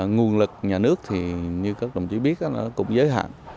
nguồn lực nhà nước thì như các đồng chí biết nó cũng giới hạn